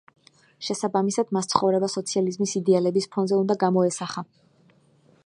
შესაბამისად, მას ცხოვრება სოციალიზმის იდეალების ფონზე უნდა გამოესახა.